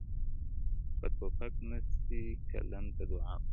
• په تو پک نه سي قلم ته دعا وکړﺉ..